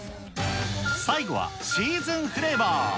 最後はシーズンフレーバー。